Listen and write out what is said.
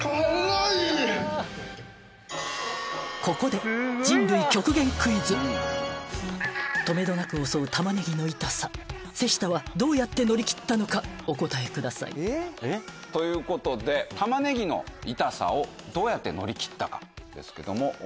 ここで止めどなく襲う玉ねぎの痛さ瀬下はどうやって乗り切ったのかお答えくださいということで玉ねぎの痛さをどうやって乗り切ったかですけども。